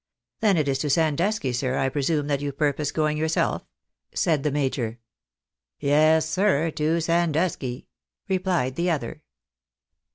" Then it is to Sandusky, sir, I presume that you purpose going yourself?" said the major. " Yes, sir, to Sandusky," replied the other.